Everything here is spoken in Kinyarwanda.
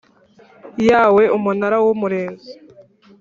Yawe umunara w umurinzi